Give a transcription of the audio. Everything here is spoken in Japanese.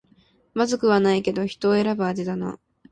まずくはないけど人を選ぶ味だな